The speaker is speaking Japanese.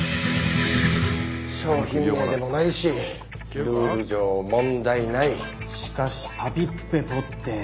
商品名でもないしルール上問題ない！しかしパピプペポって。